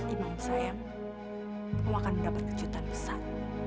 imam saya kamu akan mendapat kejutan besar